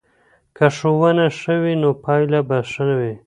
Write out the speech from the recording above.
که ښوونه ښه وي نو پایله به ښه وي.